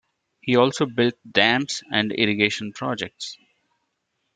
He also built dams and irrigation projects.